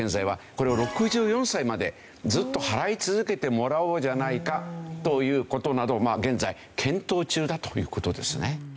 これを６４歳までずっと払い続けてもらおうじゃないかという事などを現在検討中だという事ですね。